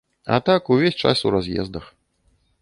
А так увесь час у раз'ездах.